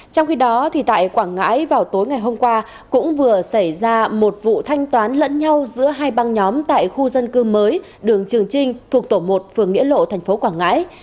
trong khi đó tại quảng ngãi vào tối ngày hôm qua cũng vừa xảy ra một vụ thanh toán lẫn nhau giữa hai băng nhóm tại khu dân cư mới đường trường trinh thuộc tổ một phường nghĩa lộ thành phố quảng ngãi